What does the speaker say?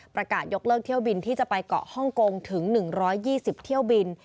ประกาศยกเลิกเที่ยวบินที่จะไปเกาะฮ่องกงถึง๑๒๐เที่ยวบิน